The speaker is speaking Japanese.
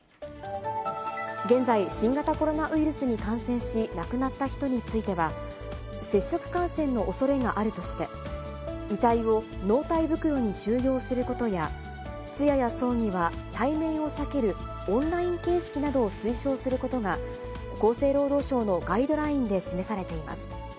現在、新型コロナウイルスに感染し亡くなった人については、接触感染のおそれがあるとして、遺体を納体袋に収容することや、通夜や葬儀は対面を避けるオンライン形式などを推奨することが、厚生労働省のガイドラインで示されています。